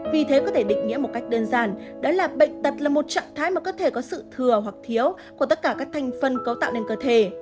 vì thế có thể định nghĩa một cách đơn giản đó là bệnh tật là một trạng thái mà có thể có sự thừa hoặc thiếu của tất cả các thành phân cấu tạo nên cơ thể